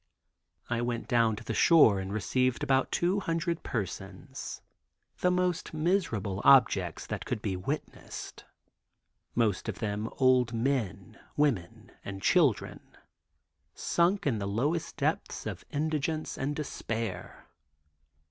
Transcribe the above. I went down to the shore and received about 200 persons, the most miserable objects that could be witnessed, most of them old men, women and children, sunk in the lowest depths of indigence and despair.